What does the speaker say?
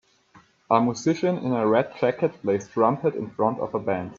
A musician in a red jacket plays trumpet in front of a band.